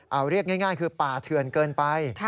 เอาเรียกง่ายคือป่าเถื่อนเกินไป